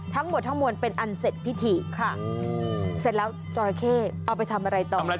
ทั้งหมวดเป็นอันเศษพิธีเสร็จแล้วจอราเคทำอะไรต่อ